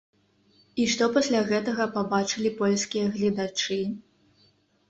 І што пасля гэтага пабачылі польскія гледачы?